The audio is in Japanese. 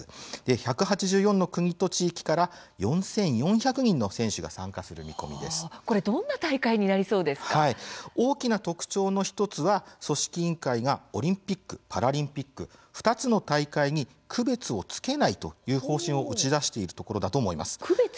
１８４の国と地域から４４００人の選手がどんな大会に大きな特徴の１つは組織委員会がオリンピック・パラリンピック２つの大会に区別をつけないという方針が打ち出されていることだと思います。